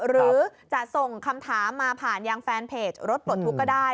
หรือจะส่งคำถามมาผ่านยังแฟนเพจรถปลดทุกข์ก็ได้